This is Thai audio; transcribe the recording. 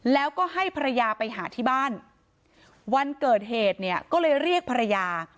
แล้วก็ให้ภรรยาไปหาที่บ้านวันเกิดเหตุเนี่ยก็เลยเรียกภรรยา